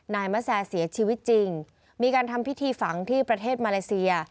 นายมะแซเสียชีวิตจริงมีการทำพิธีฝังที่ประเทศมาเลเซีย